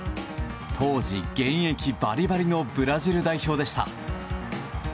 当時、現役バリバリのブラジル代表でした。